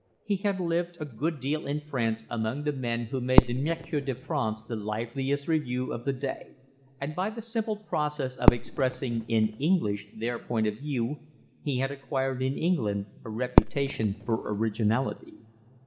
He had lived a good deal in France among the men who made the Mercure de France the liveliest review of the day, and by the simple process of expressing in English their point of view he had acquired in England a reputation for originality.